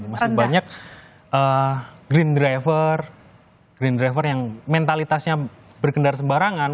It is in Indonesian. masih banyak green driver green driver yang mentalitasnya berkendara sembarangan